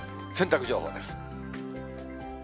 洗濯情報です。